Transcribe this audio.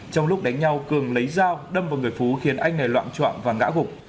trong lúc đánh nhau cường lấy dao đâm vào người phú khiến anh này loạn trọng và ngã gục